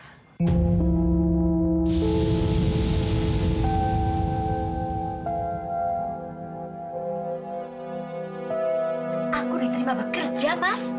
aku neterima bekerja mas